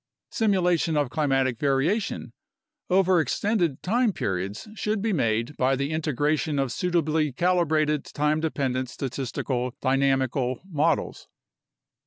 Simulation of climatic variation over extended time periods should be made by the integration of suitably calibrated time dependent statistical dynamical models.